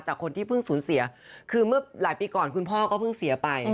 คนที่เพิ่งสูญเสียคือเมื่อหลายปีก่อนคุณพ่อก็เพิ่งเสียไป